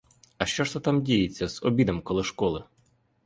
А що ж то там діється з обідом коло школи?